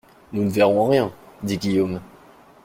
Nous ne verrons rien, dit Guillaume.